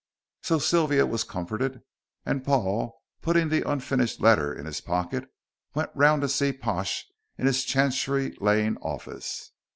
So Sylvia was comforted, and Paul, putting the unfinished letter in his pocket, went round to see Pash in his Chancery Lane office.